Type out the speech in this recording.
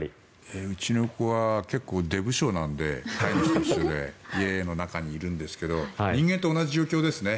うちの子は結構、出無精なので家の中にいるんですけど人間と同じ状況ですね。